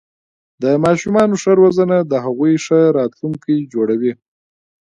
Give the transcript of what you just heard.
د ماشومانو ښه روزنه د هغوی ښه راتلونکې جوړوي.